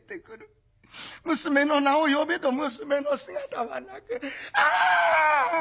娘の名を呼べど娘の姿はなくあっ！